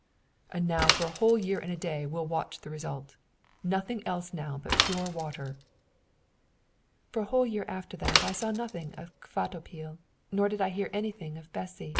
"And now for a whole year and a day we'll watch the result. Nothing else now but pure water." For a whole year after that I saw nothing of Kvatopil, nor did I hear anything of Bessy.